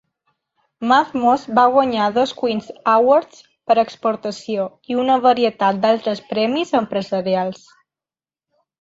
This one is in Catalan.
Mathmos va guanyar dos Queens Awards per Exportació i una varietat d'altres premis empresarials.